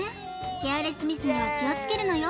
ケアレスミスには気をつけるのよ